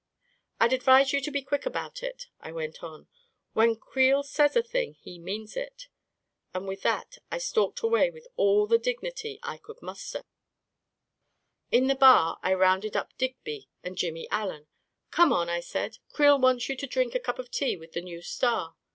" I'd advise you to be quick about it," I went on. " When Creel says a thing he means it," and with that I stalked away with all the dignity I could A KING IN BABYLON 57 muster. In the bar, I rounded up Digby and Jimmy Allen. 44 Come on," I said; " Creel wants you to drink a cup of tea with the new star."